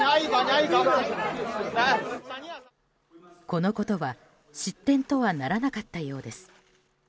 このことは失点とはならなかったようです。